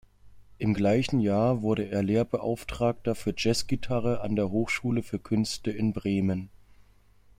Im gleichen Jahr wurde er Lehrbeauftragter für Jazz-Gitarre an der Hochschule für Künste Bremen.